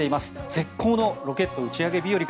絶好のロケット打ち上げ日和